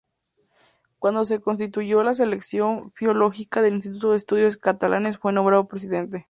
Cuando se constituyó la Sección Filológica del Instituto de Estudios Catalanes fue nombrado presidente.